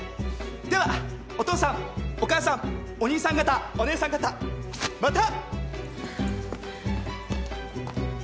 ではお父さんお母さんお兄さん方お姉さん方また！